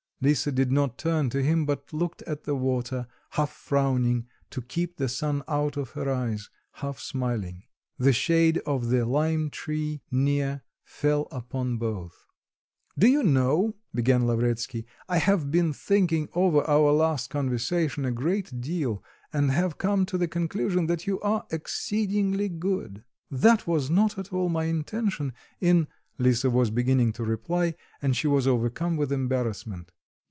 Lisa did not turn to him, but looked at the water, half frowning, to keep the sun out of her eyes, half smiling. The shade of the lime tree near fell upon both. "Do you know," began Lavretsky, "I have been thinking over our last conversation a great deal, and have come to the conclusion that you are exceedingly good." "That was not at all my intention in " Lisa was beginning to reply, and she was overcome with embarrassment.